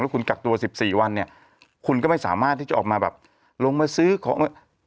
คุณกักตัว๑๔วันเนี่ยคุณก็ไม่สามารถที่จะออกมาแบบลงมาซื้อของ